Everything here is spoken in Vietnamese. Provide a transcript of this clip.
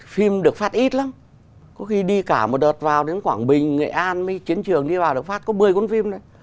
phim được phát ít lắm có khi đi cả một đợt vào đến quảng bình nghệ an mấy chiến trường đi vào được phát có một mươi cuốn phim đấy